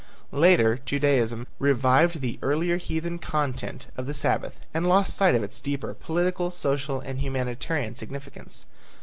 Later Judaism revived the earlier heathen content of the Sabbath, and lost sight of its deeper political, social and humanitarian significance.